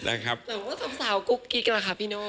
เหมือนกับสาวกุ๊กกิ๊กนะครับพี่โน่